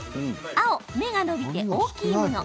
青・芽が伸びて大きいもの。